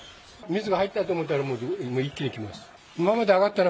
水が入ったと思ったら、もう一気に来ました。